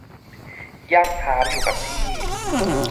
ย่ำเท้าอยู่กับที่